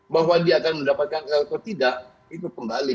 bahwa dia akan mendapatkan atau tidak itu kembali